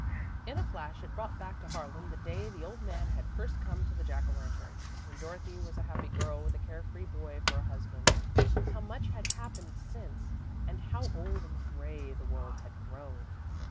In a flash it brought back to Harlan the day the old man had first come to the Jack o' Lantern, when Dorothy was a happy girl with a care free boy for a husband. How much had happened since, and how old and grey the world had grown!